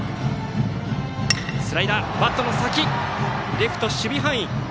レフトの守備範囲。